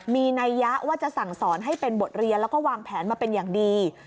มีนัยยะว่าจะสั่งสอนให้เป็นบทเรียนแล้วก็วางแผนมาเป็นอย่างดี